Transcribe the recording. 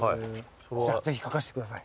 じゃあぜひ書かせてください。